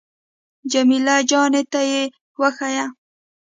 جمیله جانې ته يې وښيه.